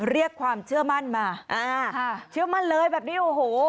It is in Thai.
เรียกความเชื่อมั่นมาอ่าเชื่อมั่นเลยแบบนี้โอ้โห